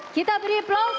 kita beri applause